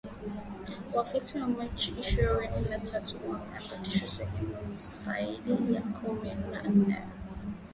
Waasi wa Machi ishirini na tatu wamedhibithi sehemu zaidi ya kumi na nne